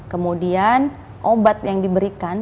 kemudian obat yang diberikan